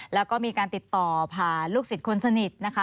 แล้วก็มีการติดต่อผ่านลูกศิษย์คนสนิทนะคะ